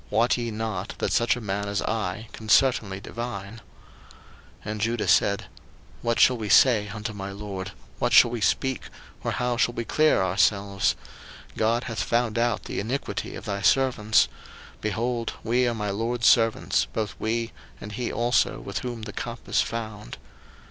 wot ye not that such a man as I can certainly divine? 01:044:016 And Judah said, What shall we say unto my lord? what shall we speak? or how shall we clear ourselves? God hath found out the iniquity of thy servants: behold, we are my lord's servants, both we, and he also with whom the cup is found.